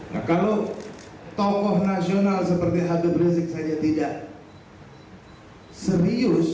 nah kalau tokoh nasional seperti habib rizik saja tidak serius